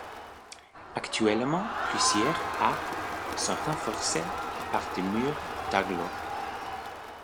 Actuellement plusieurs arc sont renforcés par des murs d'agglos.